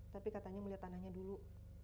tapi katanya mau lihat tanahnya dulu